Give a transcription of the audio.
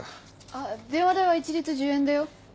あっ電話代は一律１０円だよ。